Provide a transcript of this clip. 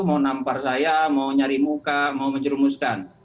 mau nampar saya mau nyari muka mau menjerumuskan